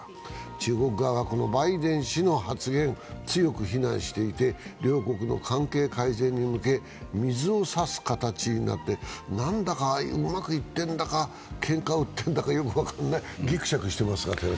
中国側はこのバイデン氏の発言、強く非難していて両国の関係改善に向け水を差す形になってなんだかうまくいってんだか、けんかを売っているのか分からないギクシャクしてますが。